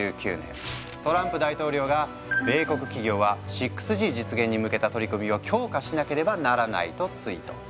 トランプ大統領が「米国企業は６Ｇ実現に向けた取り組みを強化しなければならない」とツイート。